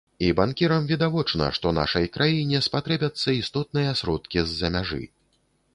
І банкірам відавочна, што нашай краіне спатрэбяцца істотныя сродкі з-за мяжы.